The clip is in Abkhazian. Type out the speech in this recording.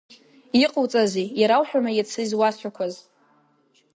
Иҟауҵазеи, ирауҳәама иацы изуасҳәақәаз?